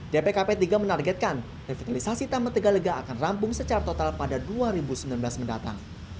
dpkp tiga menargetkan revitalisasi taman tegalega akan rampung secara total pada dua ribu sembilan belas mendatang